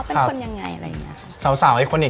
ว่าเขาเป็นคนยังไงอะไรอย่างนี้